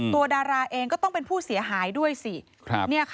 ดาราเองก็ต้องเป็นผู้เสียหายด้วยสิ